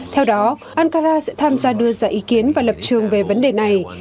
theo đó ankara sẽ tham gia đưa ra ý kiến và lập trường về vấn đề này